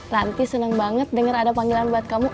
ranti senang banget denger ada panggilan buat kamu